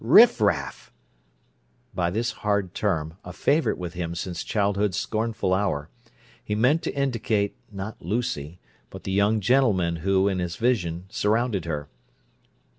"Riffraff!" By this hard term—a favourite with him since childhood's scornful hour—he meant to indicate, not Lucy, but the young gentlemen who, in his vision, surrounded her.